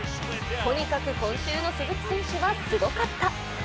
とにかく今週の鈴木選手は、すごかった。